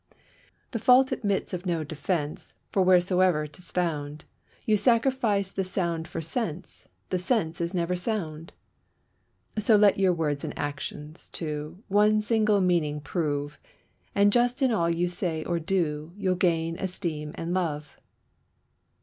The fault admits of no defence, for wheresoe'er 'tis found, You sacrifice the sound for sense; the sense is never sound. So let your words and actions, too, one single meaning prove, And just in all you say or do, you'll gain esteem and love.